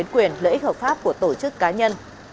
quyền lợi ích hợp pháp của tổ chức cá nhân